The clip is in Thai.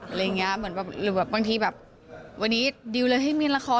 หรือแบบบางทีแบบวันนี้ดิวเลยให้มีละคร